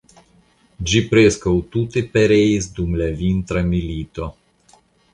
Ĝi preskaŭ tute pereis dum la vintra milito.